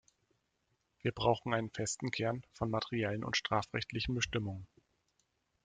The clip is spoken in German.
Wir brauchen einen festen Kern von materiellen und strafrechtlichen Bestimmungen.